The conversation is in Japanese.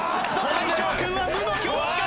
大昇君は無の境地か？